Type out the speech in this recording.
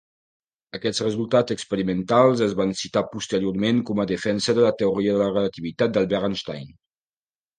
Aquests resultats experimentals es van citar posteriorment com a defensa de la teoria de la relativitat d'Albert Einstein.